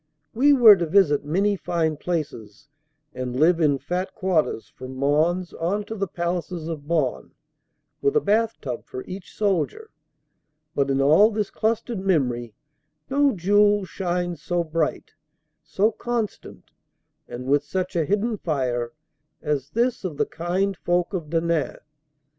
We were to visit many fine places and live in fat quarters, from Mons on to the palaces of Bonn, with a bath tub for each soldier; but in all this clustered memory no jewel shines so bright, so constant and with such a hidden fire as this of the kind folk of Denain.